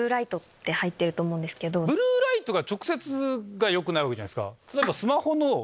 ブルーライト直接がよくないわけじゃないですか。